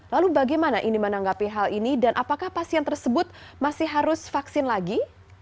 lalu bagaimana ini menanggapi hal ini dan apakah pasien tersebut masih harus vaksin lagi